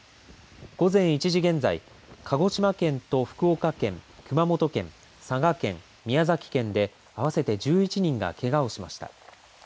午前１時現在、鹿児島県と福岡県熊本県、佐賀県、宮崎県で合わせて１１人がけがをしました。